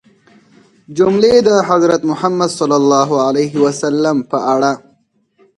جملې د حضرت محمد ﷺ په اړه